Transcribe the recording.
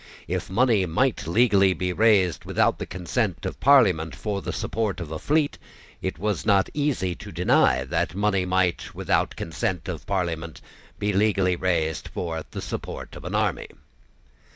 If money might legally be raised without the consent of Parliament for the support of a fleet, it was not easy to deny that money might, without consent of Parliament, be legally raised for the support of an army.